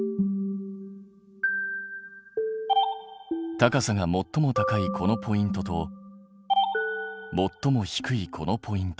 高さがもっとも高いこのポイントともっとも低いこのポイント。